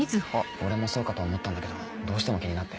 俺もそうかと思ったんだけどどうしても気になって。